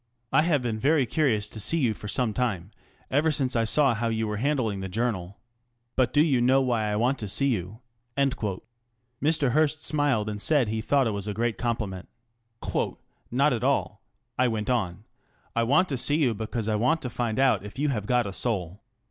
I have been very curious to see you for some time, ever since I saw how you were handling the Journal. But do you know why I want to see you ?" Mr. Hearst smiled and said he thought it was a great compli ment. "Not at all," I went on. " I want to see you because I want to find out if you have got a soul.